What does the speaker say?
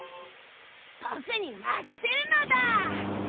ぼくにまかせるのだ！